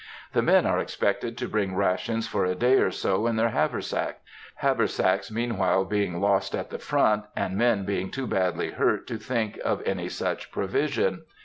The men are expected to bring rations for a day or so, in their haversacks, haversacks meanwhile being lost at the front, and men being too badly hurt to think of any such provision....